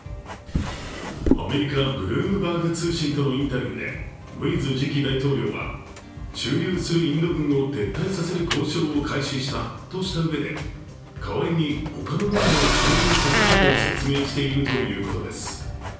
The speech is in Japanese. アメリカ、ブルームバーグ通信とのインタビューでムイズ次期大統領は、駐留するインド軍を撤退させる交渉を開始したとしたうえで代わりにほかの軍も駐留させないと説明しているということです。